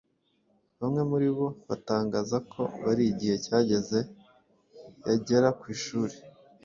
Bamwe muri bo batangaza ko hari igihe cyageze yagera ku ishuri,